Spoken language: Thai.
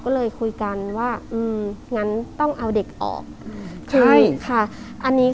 ก็เลยคุยกันว่าอืมงั้นต้องเอาเด็กออกใช่ค่ะอันนี้